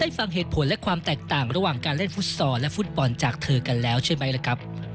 ฟังเหตุผลและความแตกต่างระหว่างการเล่นฟุตซอลและฟุตบอลจากเธอกันแล้วใช่ไหมล่ะครับ